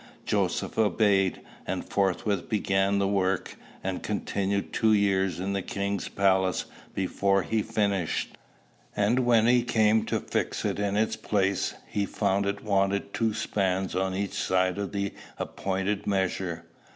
Joseph obeyed, and forthwith began the work, and continued two years in the king's palace before he finished. And when he came to fix it in its place, he found it wanted two spans on each side of the appointed measure.